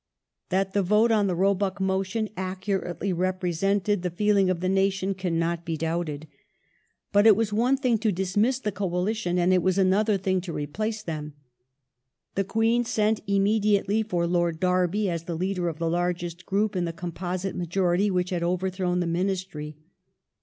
The new That the vote on the Roebuck motion accurately represented Govern | jjg feeling of the nation cannot be doubted. But it was one thine rnent ^ t " to dismiss the Coalition, and it was another thing to replace them. The Queen sent immediately for Lord Derby as the leader of the largest group in the composite majority which had overthrown the Ministry.